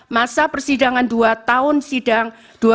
masa persidangan dua tahun sidang dua ribu dua puluh tiga dua ribu dua puluh empat